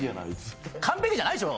完璧じゃないでしょ。